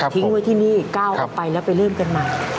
ทิ้งไว้ที่นี่ก้าวออกไปแล้วไปเริ่มกันใหม่